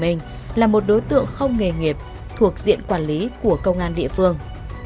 cụ đen là một đối tượng không nghề nghiệp thuộc diện quản lý của công an địa phương